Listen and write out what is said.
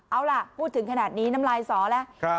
เอาล่ะพูดถึงขนาดนี้น้ำลายสอแล้ว